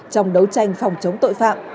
trong đấu tranh phòng chống tội phạm